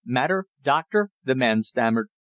"Matter, doctor," the man stammered.